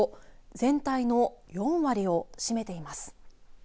全体の４割を占めています。